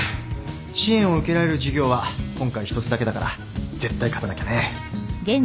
支援を受けられる事業は今回１つだけだから絶対勝たなきゃね